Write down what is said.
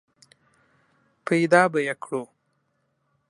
پیدا به یې کړو !